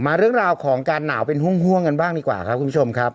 เรื่องราวของการหนาวเป็นห่วงกันบ้างดีกว่าครับคุณผู้ชมครับ